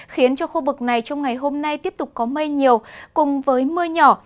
khiến cho khu vực này trong ngày hôm nay tiếp tục có mây nhiều cùng với mưa nhỏ